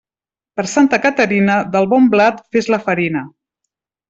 Per Santa Caterina, del bon blat fes la farina.